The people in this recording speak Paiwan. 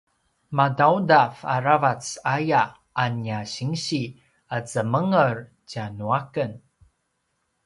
madaudav aravac aya a nia sinsi a zemenger tjanuaken